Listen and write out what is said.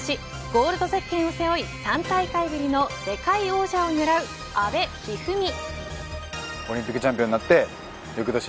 ゴールドゼッケンを背負い３大会ぶりの世界王者を狙う阿部一二三。